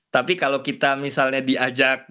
tapi kalau kita misalnya diajak